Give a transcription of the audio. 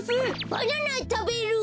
バナナたべる！